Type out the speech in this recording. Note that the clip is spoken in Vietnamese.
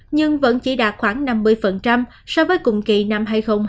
nhưng vẫn chỉ đạt khoảng năm mươi so với cùng kỳ năm hai nghìn hai mươi hai